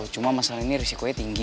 cuma masalah ini risikonya tinggi